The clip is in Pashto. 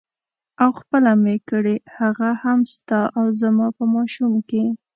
او خپله مې کړې هغه هم ستا او زما په ماشوم کې.